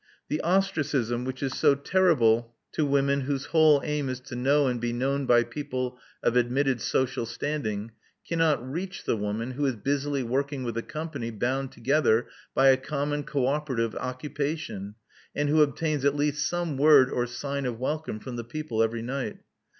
The ostracism which is so terrible to Love Among the Artists i6i women whose whole aim is to know and be known by people of admitted social standing cannot reach the woman who is busily working with a company bound together by a common co operative occupation, and who obtains at least some word or sign of welcome from the people every night.